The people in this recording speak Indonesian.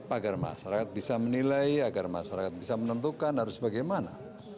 agar masyarakat bisa menilai agar masyarakat bisa menentukan harus bagaimana